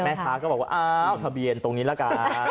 แม่ค้าก็บอกว่าอ้าวทะเบียนตรงนี้ละกัน